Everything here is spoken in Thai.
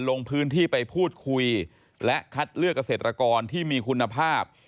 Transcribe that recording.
ลงพื้นที่ไปพูดคุยและคัดเลือกเกษตรกรที่มีคุณภาพ